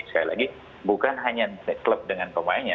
sekali lagi bukan hanya klub dengan pemainnya